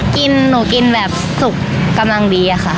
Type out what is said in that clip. หนูกินแบบสุกกำลังดีอะค่ะ